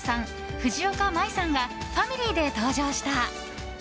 藤岡舞衣さんがファミリーで登場した。